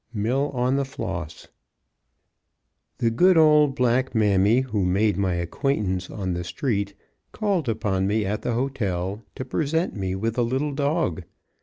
Mill on the Floss. The good old black mammy, who made my acquaintance on the street, called upon me at the hotel to present me with a little dog.